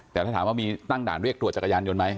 แต่ถ้าถามว่ามีตั้งด่านเรียกตรวจจักรยานยนต์ไหม